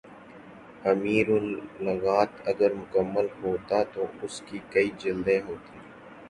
امیر اللغات اگر مکمل ہوتا تو اس کی کئی جلدیں ہوتیں